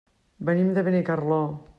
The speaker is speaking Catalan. Venim de Benicarló.